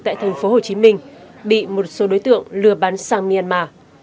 tại thành phố hồ chí minh bị một số đối tượng lừa bán sang myanmar